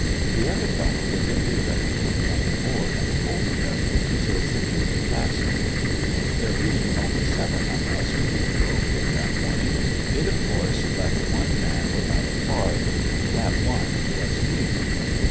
The other fellow would then be ready to jump aboard and hold him until securely fastened. There being only seven of us to do the roping that morning, it of course left one man without a "pard," and that one was me.